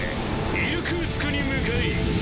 イルクーツクに向かい